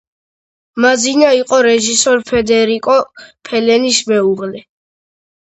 მაზინა იყო რეჟისორ ფედერიკო ფელინის მეუღლე.